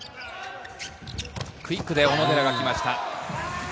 クイックで小野寺が来ました。